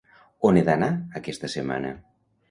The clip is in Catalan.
On he d'anar aquesta setmana?